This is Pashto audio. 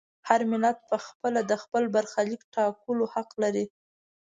هر ملت په خپله د خپل برخلیک د ټاکلو حق لري.